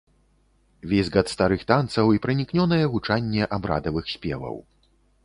Візгат старых танцаў і пранікнёнае гучанне абрадавых спеваў.